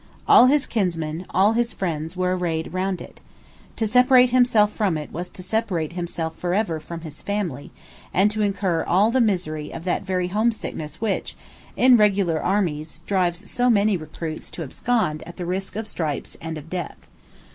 All his kinsmen, all his friends, were arrayed round it. To separate himself from it was to separate himself for ever from his family, and to incur all the misery of that very homesickness which, in regular armies, drives so many recruits to abscond at the risk of stripes and of death.